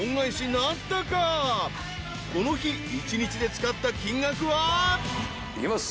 ［この日一日で使った金額は］いきます。